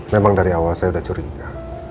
memang dari awal saya sudah curiga